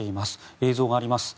映像があります。